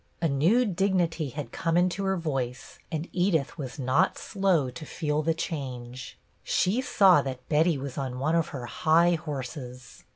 A new dignity had come into her voice, and Edith was not slow to feel the change. She saw that Betty was on one of her high horses.